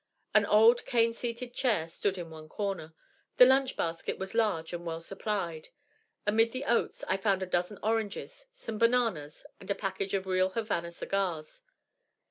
An old cane seated chair stood in one corner. The lunch basket was large and well supplied. Amid the oats I found a dozen oranges, some bananas, and a package of real Havana cigars.